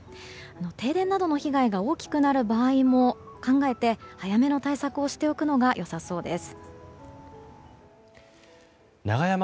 停電などの被害が大きくなる場合も考えて早めの対策をしておくのがよさそうです。